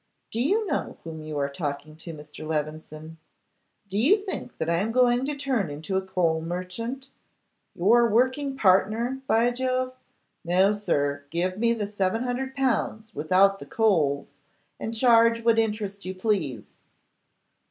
Do you know whom you are talking to, Mr. Levison? Do you think that I am going to turn into a coal merchant? your working partner, by Jove! No, sir; give me the 700L., without the coals, and charge what interest you please.